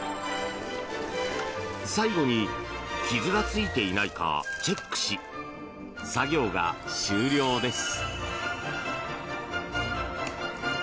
最後に傷がついていないかチェックし、作業が終了です。